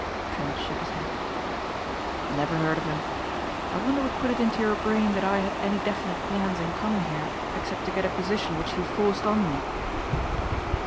Trent shook his head. "Never heard of him. I wonder what put it into your brain that I had any definite plans in coming here except to get a position which you forced on me."